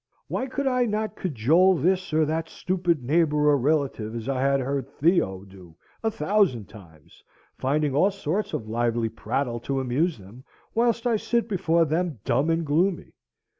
Why could I not cajole this or that stupid neighbour or relative, as I have heard Theo do a thousand times, finding all sorts of lively prattle to amuse them, whilst I sit before them dumb and gloomy?